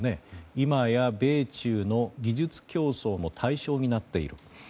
今や米中の技術競争の対象になっている。